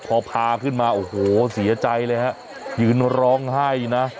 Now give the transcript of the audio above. พอพาขึ้นมาโอ้โหเสียใจเลยฮะยืนร้องไห้นะ